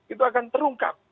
itu akan terungkap